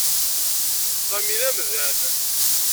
Sami d amdan.